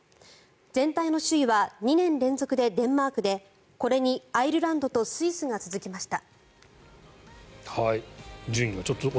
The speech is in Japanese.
全体の首位は２年連続でデンマークでこれにアイルランドとスイスが続きました。